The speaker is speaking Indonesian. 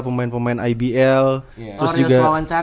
lupa jalan selalu terus juga